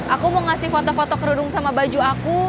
aku mau ngasih foto foto kerudung sama baju aku